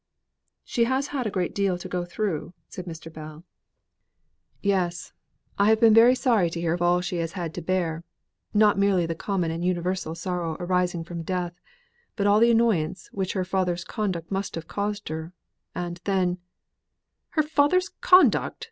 "She has had a great deal to go through," said Mr. Bell. "Yes! I have been sorry to hear of all she has had to bear; not merely the common and universal sorrow arising from death, but all the annoyance which her father's conduct must have caused her, and then " "Her father's conduct!"